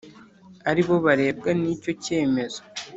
Ari bo barebwa n icyo kemezo